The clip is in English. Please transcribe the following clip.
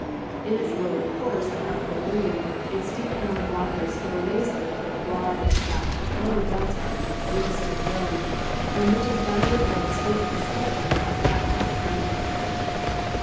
In its lower course about Fort William, its deep brown waters flow lazily through a broad, flat, low delta which is still grow ing and which is bounded by distant escarpments of llat toi)ped mountains.